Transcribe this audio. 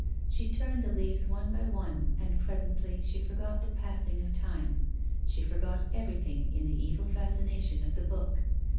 She turned the leaves one by one, and presently she forgot the passing of time, she forgot everything in the evil fascina tion of the book.